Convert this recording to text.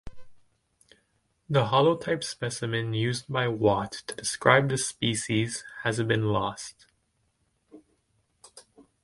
The holotype specimen used by Watt to describe the species has been lost.